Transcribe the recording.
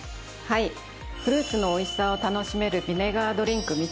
はいフルーツのおいしさを楽しめるビネガードリンク